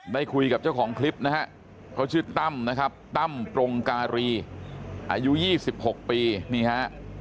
ได้คุยกับเจ้าของคลิปนะฮะเขาชื่อตั้มนะครับตั้มปรงการีอายุ๒๖ปีนี่ฮะ